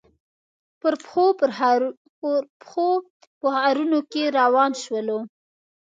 پر پښو په ښارنو کې روان شولو.